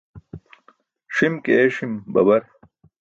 Ṣim ke eeṣim babar.